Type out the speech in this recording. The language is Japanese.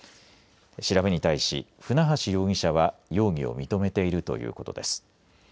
調べに対し船橋容疑者は容疑を認めているということです。